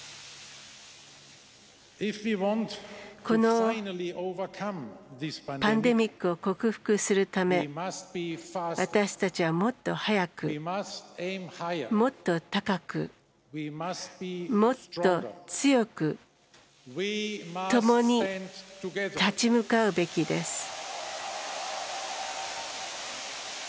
このパンデミックを克服するため私たちはもっと速くもっと高くもっと強くともに立ち向かうべきです。